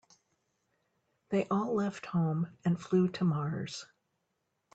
They all left home and flew to Mars.